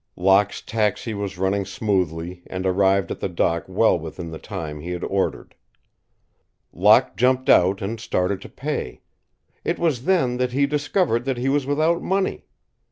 Locke's taxi was running smoothly and arrived at the dock well within the time he had ordered. Locke jumped out and started to pay. It was then that he discovered that he was without money.